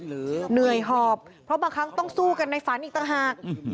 เหนื่อยหอบเพราะบางครั้งต้องสู้กันในฝันอีกต่างหาก